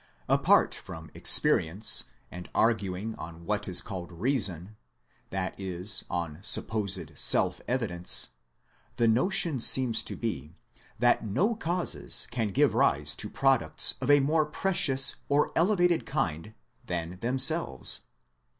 Apart from experience, and arguing on what is called reason, that is on supposed self evidence, the notion seems to be, that no causes can give rise to products of a more precious or elevated kind than themselves.